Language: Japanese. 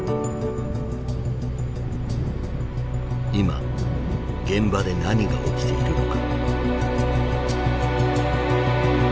今現場で何が起きているのか。